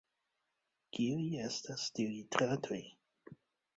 Kiaj estas tiuj trajtoj?